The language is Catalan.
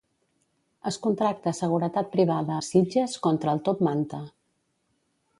Es contracta seguretat privada a Sitges contra el 'top manta'.